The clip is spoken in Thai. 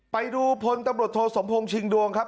ไปดูพลตำรวจโทสมพงษ์ชิงดวงครับ